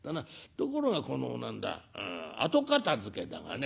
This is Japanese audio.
ところがこの何だ後片づけだがね